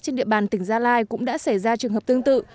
trên địa bàn tỉnh gia lai cũng đã xảy ra trường hợp tương tự